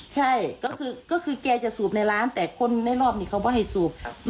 ใช่ก็คือแกจะสูบในร้านแต่คนในรอบนี้เขาก็ให้สูบ